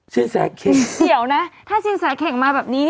สินแสเข่งเขียวนะถ้าสินแสเข่งมาแบบนี้